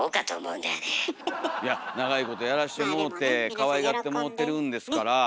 いや長いことやらしてもうてかわいがってもうてるんですから。